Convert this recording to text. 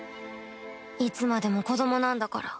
いつまでも子どもなんだから